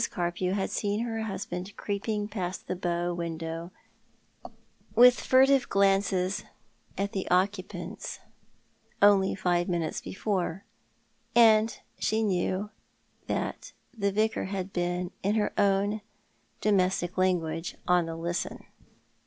Carpew had seen her husband creeping past the bow window, with f artive glances at the occupants of the drawing room, only five minutes before, and she knew that the Vicar had been, in her domestic language, " on the listen."